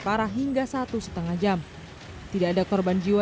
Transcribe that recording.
parah hingga satu setengah jam tidak ada korban jiwa